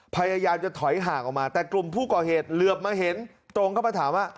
พยายามจะถอยห่างออกมาแต่กลุ่มผู้ก่อเหตุเหลือบมาเห็นตรงเข้ามาถามว่า